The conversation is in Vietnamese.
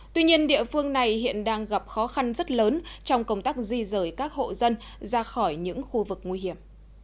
tuy nhiên địa phương này hiện đang gặp khó khăn rất lớn trong công tác di rời các hộ dân ra khỏi những khu vực nguy hiểm